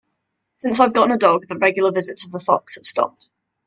Since I've gotten a dog, the regular visits of the fox have stopped.